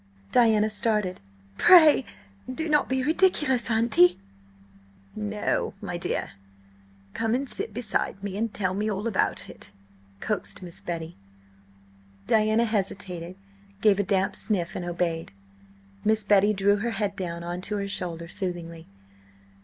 Diana started. "P pray, do not be ridiculous, auntie!" "No, my dear. Come and sit beside me and tell me all about it," coaxed Miss Betty. Diana hesitated, gave a damp sniff, and obeyed. Miss Betty drew her head down on to her shoulder soothingly.